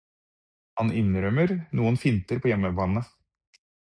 Han innrømmer noen finter på hjemmebane.